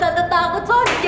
tante takut sony